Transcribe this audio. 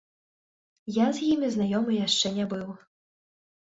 Я з імі знаёмы яшчэ не быў.